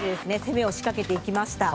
攻めを仕掛けていきました。